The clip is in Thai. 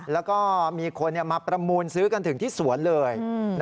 แล้วก็มีคนมาประมูลซื้อกันถึงที่สวนเลย